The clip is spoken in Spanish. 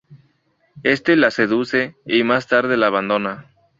Éste la seduce y más tarde la abandona.